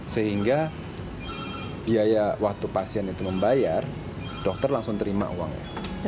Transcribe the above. sehingga biaya waktu pasien itu membayar dokter langsung terima uangnya